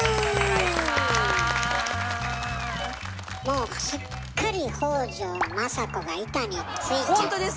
もうすっかり北条政子が板についちゃって。